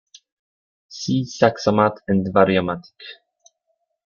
See Saxomat and Variomatic.